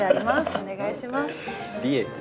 お願いします。